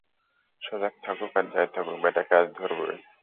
সজাগ থাকুক আর যা-ই থাকুক, ব্যাটাকে আজ ধরবই।